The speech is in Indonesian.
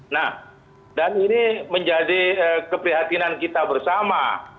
nah dan ini menjadi keprihatinan kita bersama